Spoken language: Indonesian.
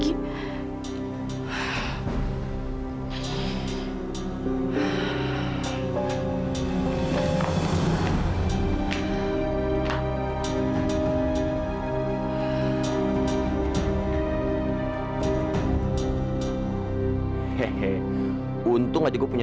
kita harus turun ke swiftientear